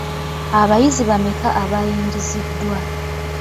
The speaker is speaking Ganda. Abayizi bameka abayingiziddwa?